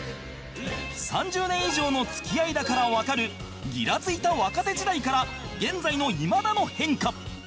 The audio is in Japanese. ３０年以上の付き合いだからわかるギラついた若手時代から現在の今田の変化